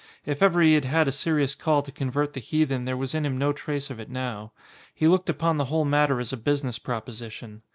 If ever he had had a serious call to convert the heathen there was in him no trace of it now. He looked upon the whole matter as a business proposition.